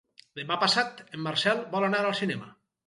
Demà passat en Marcel vol anar al cinema.